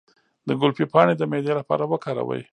د ګلپي پاڼې د معدې لپاره وکاروئ